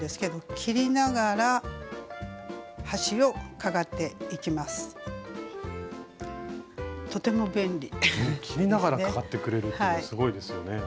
切りながらかがってくれるっていうのはすごいですよね。